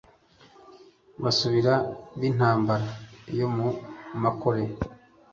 Basubira b’intambara yo mu Makore,